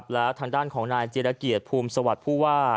แล้วทางด้านของนายเจรเกียรติภูมิสวัสดิ์ผู้ว่า